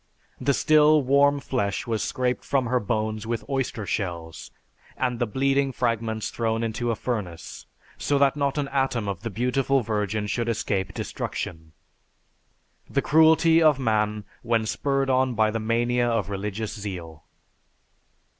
The still warm flesh was scraped from her bones with oyster shells, and the bleeding fragments thrown into a furnace, so that not an atom of the beautiful virgin should escape destruction." The cruelty of man when spurred on by the mania of religious zeal!